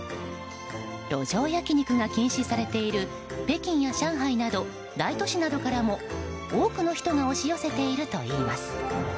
路上焼き肉が禁止されている北京や上海など大都市などからも多くの人が押し寄せているといいます。